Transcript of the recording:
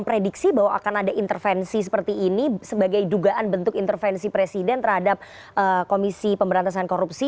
prediksi bahwa akan ada intervensi seperti ini sebagai dugaan bentuk intervensi presiden terhadap komisi pemberantasan korupsi